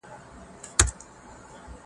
حکومت به د شوراګانو پرېکړو ته درناوی وکړي.